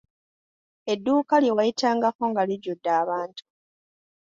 Edduuka lye wayitangako nga lijjudde abantu.